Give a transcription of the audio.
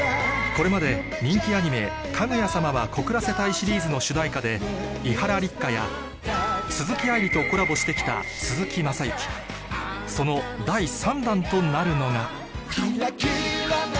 これまで人気アニメ『かぐや様は告らせたい』シリーズの主題歌で伊原六花や鈴木愛理とコラボして来た鈴木雅之その第３弾となるのが